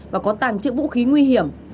và có tàng trực vũ khí nguy hiểm